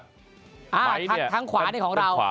ไฟน์ทั้งขวานี่ของเรา